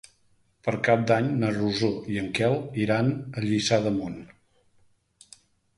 Per Cap d'Any na Rosó i en Quel iran a Lliçà d'Amunt.